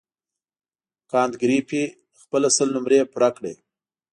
کانت ګریفي خپله سل نمرې پوره کړې.